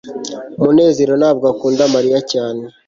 munezero ntabwo akunda mariya cyane